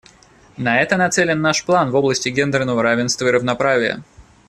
На это нацелен наш план в области гендерного равенства и равноправия.